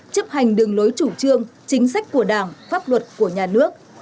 chấp hành đường lối chủ trương chính sách của đảng pháp luật của nhà nước